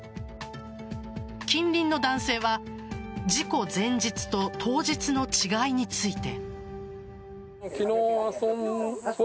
近隣の男性は事故前日と当日の違いについて。